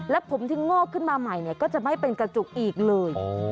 และผมที่งอกขึ้นมาใหม่ก็จะไม่เป็นกระจุกอีกเลย